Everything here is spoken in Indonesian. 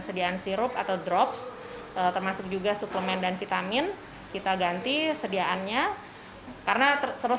sediaan sirup atau drops termasuk juga suplemen dan vitamin kita ganti sediaannya karena terus